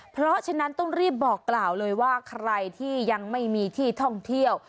เพราะฉะนั้นต้องรีบบอกกล่าวเลยว่าใครที่ยังไม่มีที่ท่องเที่ยว